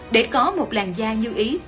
để có một làn da như ý